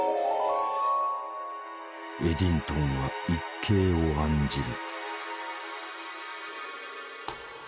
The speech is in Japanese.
エディントンは一計を案じる。